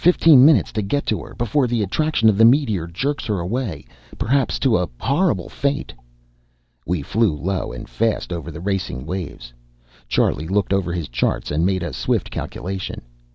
Fifteen minutes to get to her before the attraction of the meteor jerks her away, perhaps to a horrible fate." We flew low and fast over the racing waves. Charlie looked over his charts and made a swift calculation.